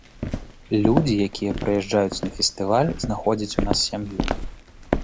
Людзі, якія прыязджаюць на фестываль, знаходзяць у нас сям'ю.